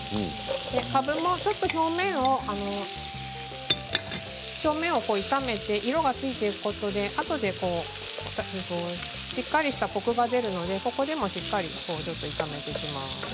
かぶもちょっと表面を炒めて色がついていくことであとでしっかりとしたコクが出るので、ここでもしっかりと炒めていきます。